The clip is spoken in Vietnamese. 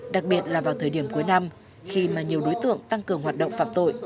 đặc biệt là vào thời điểm cuối năm khi mà nhiều đối tượng tăng cường hoạt động phạm tội